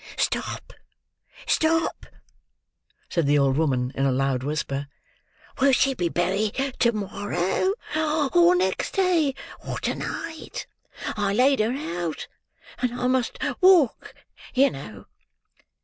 "Stop, stop!" said the old woman in a loud whisper. "Will she be buried to morrow, or next day, or to night? I laid her out; and I must walk, you know.